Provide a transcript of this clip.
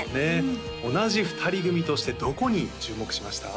同じ２人組としてどこに注目しました？